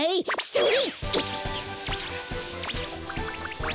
それ！